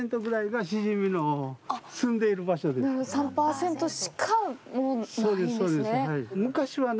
３％しか、ないんですね。